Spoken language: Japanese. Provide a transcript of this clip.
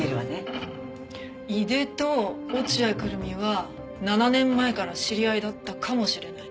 井出と落合久瑠実は７年前から知り合いだったかもしれない。